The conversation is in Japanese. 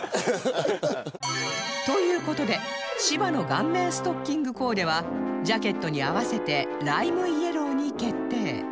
という事で芝の顔面ストッキングコーデはジャケットに合わせてライムイエローに決定